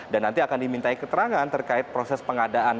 dan nanti akan dimintai keterangan terkait proses pengadaan